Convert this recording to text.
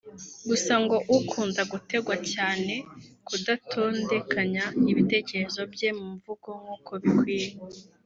Gusa ngo akunda gutegwa cyangwa kudatondekanya ibitekerezo bye mu mvugo nk’uko bikwiriye